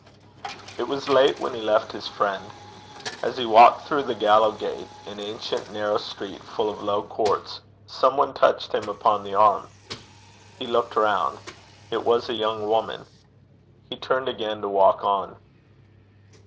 It was late when he left his friend. As he walked through the Gallowgate, an ancient narrow street, full of low courts, some one touched him upon the arm. He looked round. It was a young woman. He turned again to walk on.